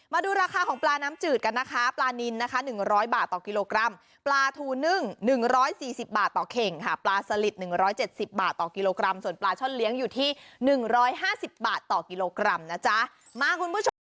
มาดูราคาของปลาน้ำจืดกันนะคะปลานินนะคะ๑๐๐บาทต่อกิโลกรัมปลาทูนึ่งหนึ่งร้อยสี่สิบบาทต่อเข่งค่ะปลาสลิด๑๗๐บาทต่อกิโลกรัมส่วนปลาช่อนเลี้ยงอยู่ที่๑๕๐บาทต่อกิโลกรัมนะจ๊ะมาคุณผู้ชม